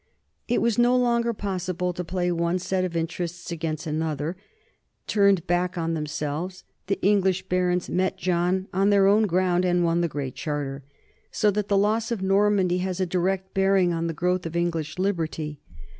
It was no longer possible to play one set of interests against another; turned back on themselves, the English barons met John on their own ground and won the Great Charter, so that the loss of Normandy has a direct bearing on the growth of English liberty.